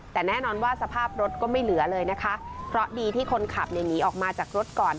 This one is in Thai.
แต่แน่นอนว่าสภาพรถก็ไม่เหลือเลยนะคะเพราะดีที่คนขับเนี่ยหนีออกมาจากรถก่อน